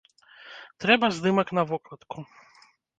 Трэба здымак на вокладку!